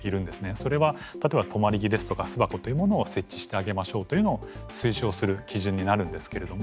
それは例えば止まり木ですとか巣箱というものを設置してあげましょうというのを推奨する基準になるんですけれども